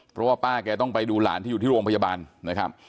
เพราะว่าป้าแกต้องไปดูหลานที่อยู่ที่โรงพยาบาลนะครับ